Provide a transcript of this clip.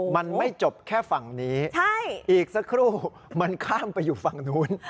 มันไม่จบแค่ฝั่งนี้อีกสักครู่มันข้ามไปอยู่ฝั่งนู้น